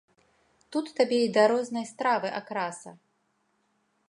Тут табе і да рознай стравы акраса.